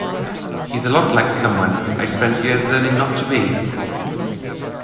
He's a lot like someone I spent years learning not to be.